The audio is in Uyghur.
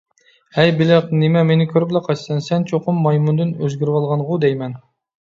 ھەي بېلىق، نېمە مېنى كۆرۈپلا قاچىسەن؟ سەن چوقۇم مايمۇندىن ئۆزگىرىۋالغانغۇ دەيمەن؟